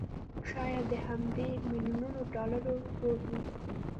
شايد د همدې مليونونو ډالرو زور وي